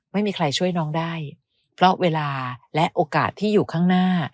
ไม่มีใครช่วยน้องได้เพราะเวลาและโอกาสที่อยู่ข้างหน้า